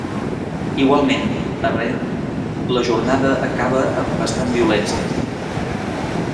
Igualment, a Rennes la jornada acaba amb bastant violència.